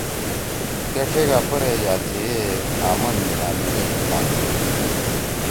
تےڇیگا پرے یأ تھیِے آمن أمنی بان نِکیدُو ۔